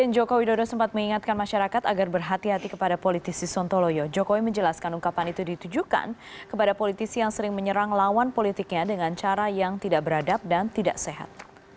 jokowi menjelaskan ungkapan itu ditujukan kepada politisi yang sering menyerang lawan politiknya dengan cara yang tidak beradab dan tidak sehat